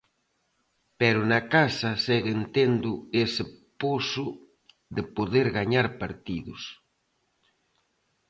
Pero na casa seguen tendo ese poso de poder gañar partidos.